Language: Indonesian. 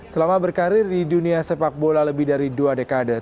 selama berkarir di dunia sepak bola lebih dari dua dekade